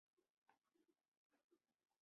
京都动画出身。